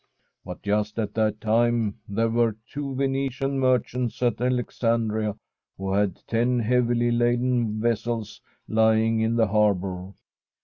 But just at that time there were two Venetian merchants at Alexandria who had ten heavily laden vessels lying in the harbour.